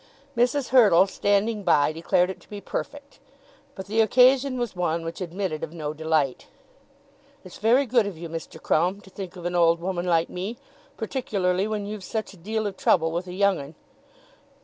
Mrs. Hurtle, standing by, declared it to be perfect; but the occasion was one which admitted of no delight. "It's very good of you, Mr. Crumb, to think of an old woman like me, particularly when you've such a deal of trouble with a young 'un."